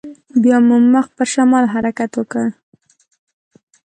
بيا مو مخ پر شمال حرکت وکړ.